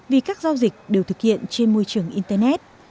vì các giao dịch đều thực hiện trên môi trường internet